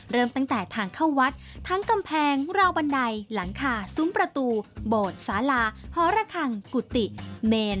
เริ่มตั้งแต่ทางเข้าวัดทั้งกำแพงราวบันไดหลังคาซุ้มประตูโบสถ์สาลาหอระคังกุฏิเมน